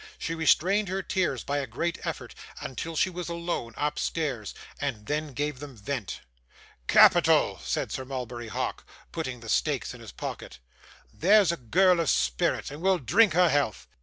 She restrained her tears by a great effort until she was alone upstairs, and then gave them vent. 'Capital!' said Sir Mulberry Hawk, putting the stakes in his pocket. 'That's a girl of spirit, and we'll drink her health.